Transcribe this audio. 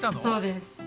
そうです。